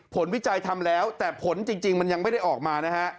วิจัยทำแล้วแต่ผลจริงมันยังไม่ได้ออกมานะฮะ